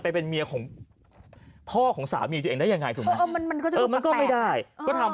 ไปเป็นเมียของพ่อของสามีนั้นยังไงถูกมันก็ไม่ได้ก็ทำ